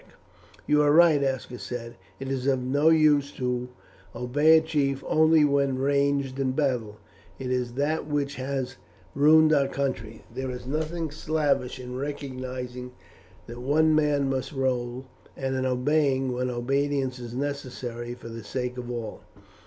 "You are right," Aska said. "It is of no use to obey a chief only when ranged in battle; it is that which has ruined our country. There is nothing slavish in recognizing that one man must rule, and in obeying when obedience is necessary for the sake of all.